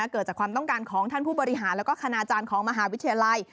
เกิดจากความต้องการของท่านผู้บริหารและคณาจารย์ของมหาวิทยาลัย